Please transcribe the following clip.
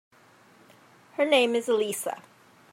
Her name is Elisa.